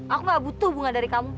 aku gak butuh bunga dari kamu